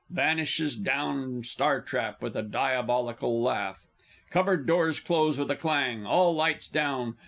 [_Vanishes down star trap with a diabolical laugh. Cupboard doors close with a clang; all lights down.